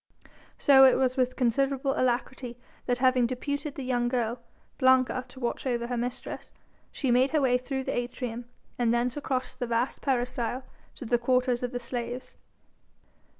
So it was with considerable alacrity that having deputed the young girl, Blanca, to watch over her mistress she made her way through the atrium, and thence across the vast peristyle to the quarters of the slaves.